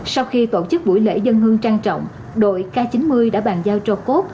sau khi tổ chức buổi lễ dân hương trang trọng đội k chín mươi đã bàn giao cho cốt